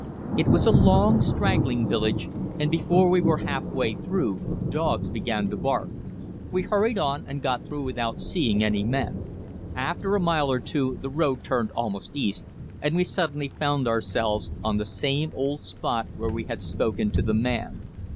It was a long, straggling village, and before we were half way through dogs began to bark. We hurried on and got through without seeing any men. After a mile or two the road turned almost east, and we suddenly found ourselves on the same old spot where we had spoken to the man.